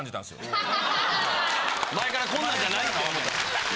前からこんなんじゃないと思った。